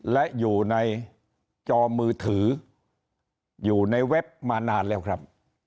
และอยู่ในจอมือถืออยู่ในเว็บมานานแล้วครับ